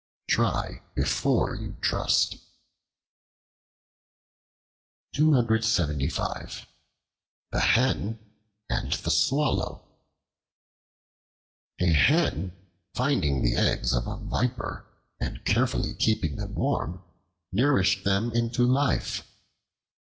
Try before you trust. The Hen and the Swallow A HEN finding the eggs of a viper and carefully keeping them warm, nourished them into life.